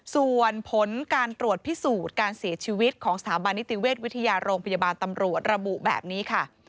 ส่วนผลการตรวจพิสูจน์การเสียชีวิตของสถาบันนิติเวชวิทยาโรงพยาบาลตำรวจระบุแบบนี้ค่ะ